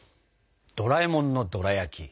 ドラえもんのドラやき。